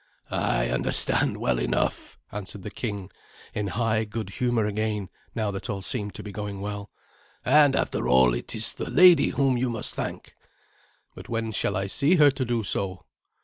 "I understand well enough," answered the king, in high good humour again, now that all seemed to be going well. "And after all, it is the lady whom you must thank." "But when shall I see her to do so?"